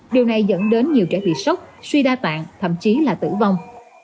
điều này dẫn đến nhiều trẻ bị sốc suy đa tạng thậm chí là tử vong